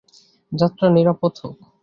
যাত্রা নিরাপদ হোক।